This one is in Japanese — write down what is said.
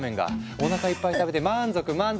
おなかいっぱい食べて満足満足。